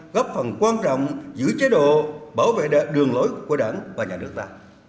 góp phần quan trọng giữ chế độ bảo vệ đường lối của đảng và nhà nước ta